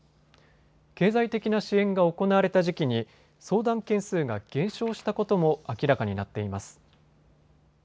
経済的な支援が行われた時期に相談件数が減少したことも明らかになっています。